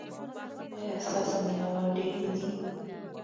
ایا ستاسو مینه وال ډیر نه دي؟